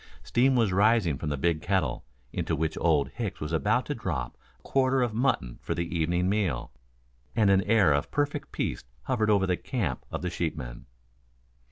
Steam was rising from the big kettle, into which Old Hicks was about to drop a quarter of mutton for the evening meal, and an air of perfect peace hovered over the camp of the sheepmen.